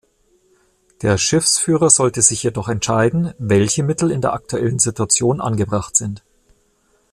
Der Schiffsführer sollte sich jedoch entscheiden, welche Mittel in der aktuellen Situation angebracht sind.